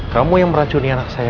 kamu yang meracuni anak saya